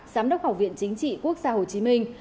giám đốc học viện chính trị quốc gia hồ chí minh